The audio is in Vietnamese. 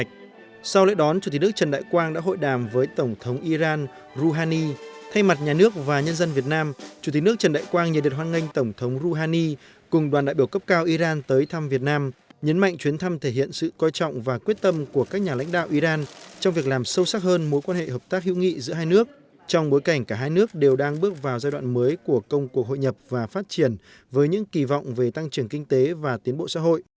chủ tịch nước trần đại quang nhận được hoan nghênh tổng thống rouhani cùng đoàn đại biểu cấp cao iran tới thăm việt nam nhấn mạnh chuyến thăm thể hiện sự coi trọng và quyết tâm của các nhà lãnh đạo iran trong việc làm sâu sắc hơn mối quan hệ hợp tác hữu nghị giữa hai nước trong bối cảnh cả hai nước đều đang bước vào giai đoạn mới của công cuộc hội nhập và phát triển với những kỳ vọng về tăng trưởng kinh tế và tiến bộ xã hội